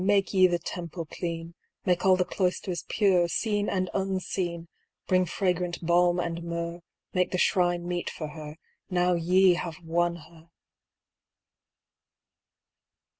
Make ye the temple clean, Make all the cloisters pure Seen and unseen ! Bring fragrant balm and myrrh, Make the shrine meet for her, Now ye have won her